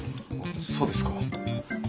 そうですか。